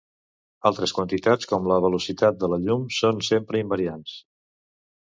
Altres quantitats, com la velocitat de la llum, són sempre invariants.